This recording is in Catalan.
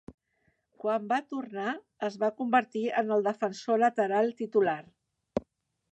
Quan va tornar, es va convertir en el defensor lateral titular.